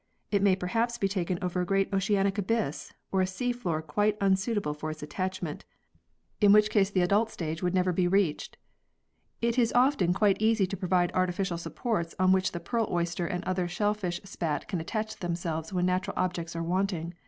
It may perhaps be taken over a great oceanic abyss, or a sea floor quite unsuitable for its attachment, in which case the adult 44 PEARLS [CH. stage would never be reached. It is often quite easy to provide artificial supports to which the pearl oyster and other shellfish spat can attach themselves when natural objects are wanting.